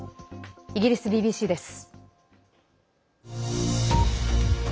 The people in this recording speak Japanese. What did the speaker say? イギリスＢＢＣです。